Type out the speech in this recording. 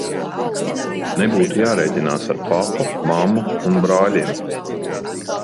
Nebūtu jārēķinās ar papu, mammu un brāļiem.